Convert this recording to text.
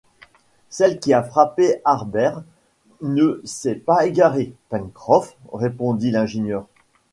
Celle qui a frappé Harbert ne s’est pas égarée, Pencroff, répondit l’ingénieur.